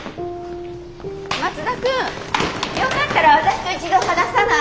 松田君よかったら私と一度話さない？